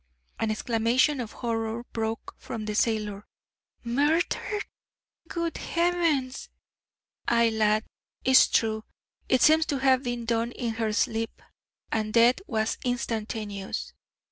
An exclamation of horror broke from the sailor. "Murdered? Good Heavens!" "Ay, lad, it is true. It seems to have been done in her sleep, and death was instantaneous.